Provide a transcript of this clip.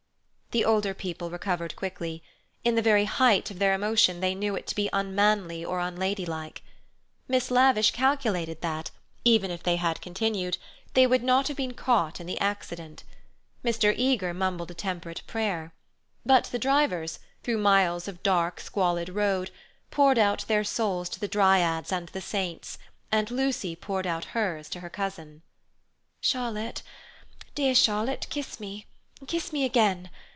The older people recovered quickly. In the very height of their emotion they knew it to be unmanly or unladylike. Miss Lavish calculated that, even if they had continued, they would not have been caught in the accident. Mr. Eager mumbled a temperate prayer. But the drivers, through miles of dark squalid road, poured out their souls to the dryads and the saints, and Lucy poured out hers to her cousin. "Charlotte, dear Charlotte, kiss me. Kiss me again.